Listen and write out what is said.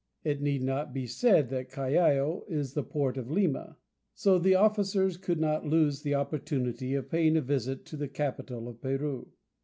It need not be said that Callao is the port of Lima; so the officers could not lose the opportunity of paying a visit to the capital of Peru.